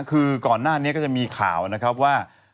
คือก่อนหน้านี้ก็จะมีข่าวนะครับว่า